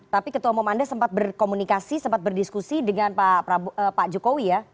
tapi ketua umum anda sempat berkomunikasi sempat berdiskusi dengan pak jokowi ya